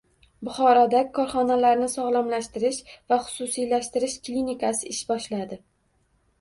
Buxoroda korxonalarni sog‘lomlashtirish va xususiylashtirish klinikasi ish boshladi